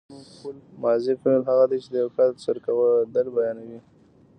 ماضي فعل هغه دی چې د یو کار تر سره کېدل بیانوي.